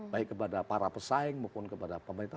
baik kepada para pesaing maupun kepada pemerintah